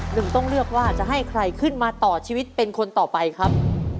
หนึ่งต้องเลือกว่าจะให้ใครขึ้นมาต่อชีวิตเป็นคนต่อไปครับ